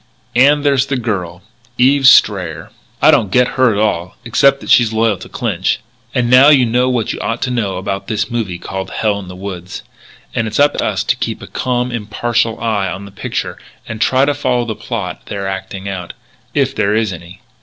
And there's the girl, Eve Strayer. I don't get her at all, except that she's loyal to Clinch.... And now you know what you ought to know about this movie called 'Hell in the Woods.' And it's up to us to keep a calm, impartial eye on the picture and try to follow the plot they're acting out if there is any."